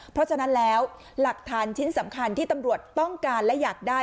เพราะฉะนั้นแล้วหลักฐานชิ้นสำคัญที่ตำรวจต้องการและอยากได้